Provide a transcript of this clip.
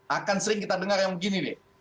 akan sering kita dengar yang begini deh